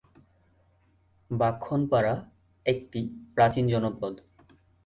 ব্রাহ্মণপাড়া একটি প্রাচীন জনপদ।